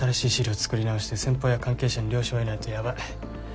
作り直して先方や関係者に了承を得ないとヤバい。